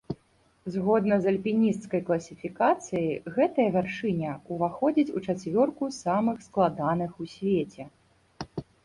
Згодна з альпінісцкай класіфікацыяй, гэтая вяршыня ўваходзіць у чацвёрку самых складаных у свеце.